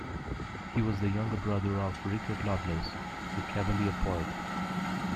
He was the younger brother of Richard Lovelace, the Cavalier poet.